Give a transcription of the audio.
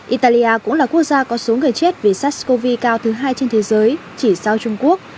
italia cũng là quốc gia có số người chết vì sars cov hai cao thứ hai trên thế giới chỉ sau trung quốc